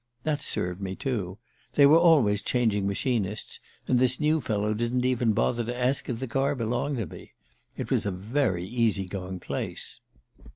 That served me, too. They were always changing machinists, and this new fellow didn't even bother to ask if the car belonged to me. It was a very easy going place...